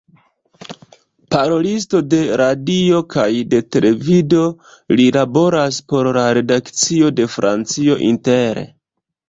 Parolisto de radio kaj de televido, li laboras por la redakcio de Francio Inter.